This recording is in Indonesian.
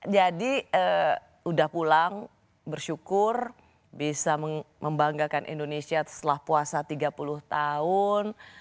jadi udah pulang bersyukur bisa membanggakan indonesia setelah puasa tiga puluh tahun